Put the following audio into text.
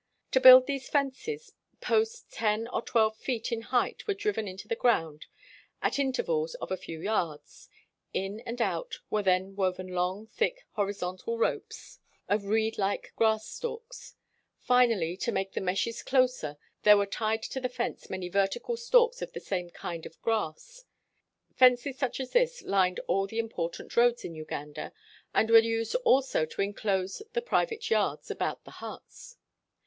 To build these fences posts ten or twelve feet in height were driven into the ground at in tervals of a few yards. In and out were then woven long, thick, horizontal ropes of 74 " Officers of the King Came to Escort Them to the Palace " RECEPTION AT THE ROYAL PALACE reed like grass stalks. Finally to make the meshes closer, there were tied to the fence many vertical stalks of the same kind of grass. Fences such as this lined all the im portant roads in Uganda and were used also to enclose the private yards about the huts.